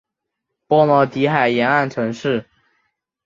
波罗的海沿岸城市。